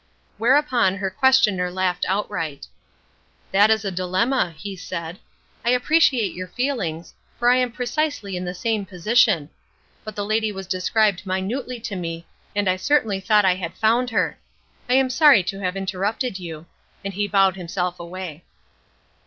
Whereupon her questioner laughed outright. "That is a dilemma," he said. "I appreciate your feelings, for I am precisely in the same position; but the lady was described minutely to me, and I certainly thought I had found her. I am sorry to have interrupted you," and he bowed himself away.